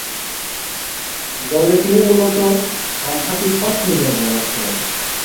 দলে তিনি মূলতঃ বামহাতি ফাস্ট-মিডিয়াম বোলার ছিলেন।